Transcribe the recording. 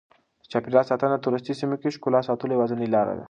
د چاپیریال ساتنه د توریستي سیمو د ښکلا د ساتلو یوازینۍ لاره ده.